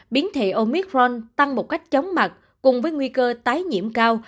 biến thể omicron tăng một cách chống mặt cùng với nguy cơ tái nhiễm cao